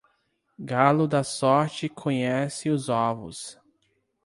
Galo da sorte conhece os ovos.